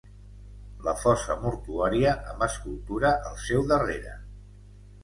La fossa mortuòria amb escultura al seu darrere.